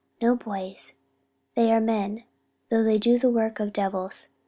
"No, boys, they are men, though they do the work of devils.